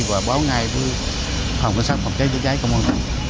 và báo ngay với phòng cảnh sát phòng cháy chữa cháy công an tỉnh